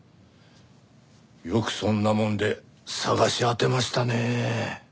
よくそんなもんで探し当てましたねえ。